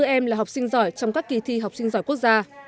chín mươi bốn em là học sinh giỏi trong các kỳ thi học sinh giỏi quốc gia